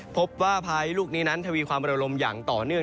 พบว่าพายุลูกนี้นั้นทวีความระลมอย่างต่อเนื่อง